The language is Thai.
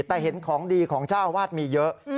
แต่เห็นของดีของเจ้าอาวาสมีเยอะ